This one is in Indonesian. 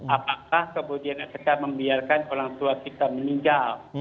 apakah kemudian kita membiarkan orang tua kita meninggal